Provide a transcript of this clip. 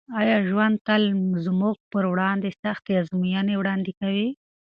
آیا ژوند تل زموږ پر وړاندې سختې ازموینې نه وړاندې کوي؟